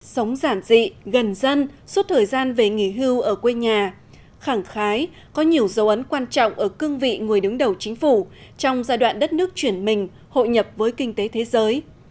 sống giản dị gần dân suốt thời gian về nghỉ hưu ở quê nhà khẳng khái có nhiều dấu ấn quan trọng ở cương vị người đứng đầu chính phủ trong giai đoạn đất nước chuyển mình hội nhập với kinh tế thế giới